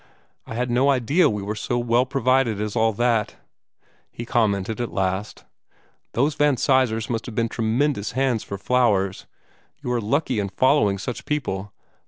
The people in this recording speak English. "I had no idea we were so well provided as all this," he commented at last. "Those Van Sizers must have been tremendous hands for flowers. You were lucky in following such people."